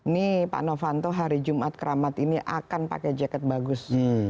nih pak novanto hari jumat keramat ini akan pakai jaket bagus